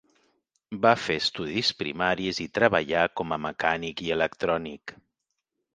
Va fer estudis primaris i treballà com a mecànic i electrònic.